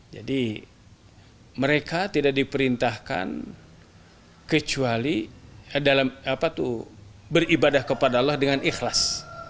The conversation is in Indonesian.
jadi mereka tidak diperintahkan kecuali beribadah kepada allah dengan ikhlas